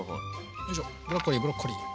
よいしょブロッコリーブロッコリー。